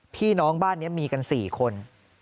พี่น้องบ้านนี้มีกัน๔คน